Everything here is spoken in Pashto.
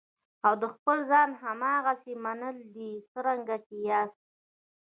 او د خپل ځان هماغسې منل دي څرنګه چې یاستئ.